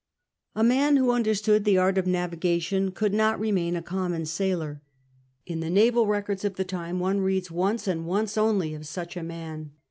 A man who understood the art of navigation could not remain a common sailor. In the naval records of the time one reads once, and once only, of such a man.